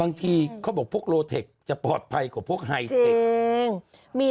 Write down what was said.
บางทีเขาบอกพวกโลเทคจะปลอดภัยกว่าพวกไฮเทค